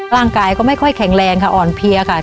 ร่างกายก็ไม่ค่อยแข็งแรงค่ะอ่อนเพลียค่ะ